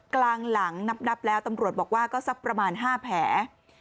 กลางหลังนับแล้วตำรวจบอกว่าก็สักประมาณ๕แผล